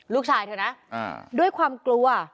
ลูกชายเธอนะด้วยความกลัว